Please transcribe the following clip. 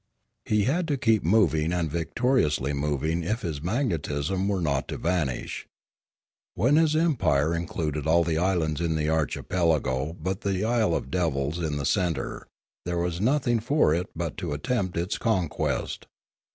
He had to keep moving and victoriously moving if his magnetism were not to vanish. When his em pire included all the islands in the archipelago but the Isle of Devils in the centre, there was nothing for it but to attempt its conquest.